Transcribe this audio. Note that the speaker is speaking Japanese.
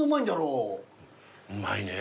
うまいね。